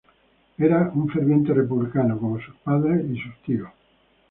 Era un ferviente republicano, como su padre y sus tíos.